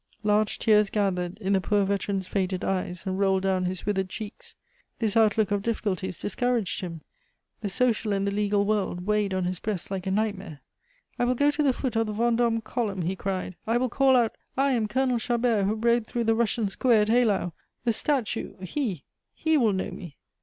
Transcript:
Large tears gathered in the poor veteran's faded eyes, and rolled down his withered cheeks. This outlook of difficulties discouraged him. The social and the legal world weighed on his breast like a nightmare. "I will go to the foot of the Vendome column!" he cried. "I will call out: 'I am Colonel Chabert who rode through the Russian square at Eylau!' The statue he he will know me."